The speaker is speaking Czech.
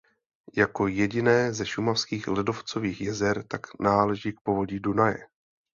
Jako jediné ze šumavských ledovcových jezer tak náleží k povodí Dunaje.